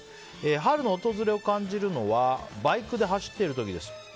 春の訪れを感じるのはバイクで走っている時です。